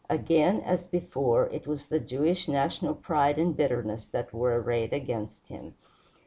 Again, as before, it was the Jewish national pride and bitterness that were arrayed against him.